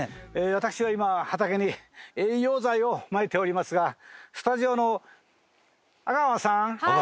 私は今畑に栄養剤をまいておりますがスタジオの阿川さん聞こえますか？